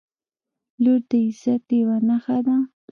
• لور د عزت یوه نښه ده.